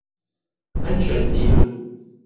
安全紀錄